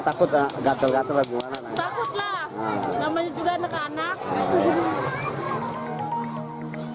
takut lah namanya juga anak anak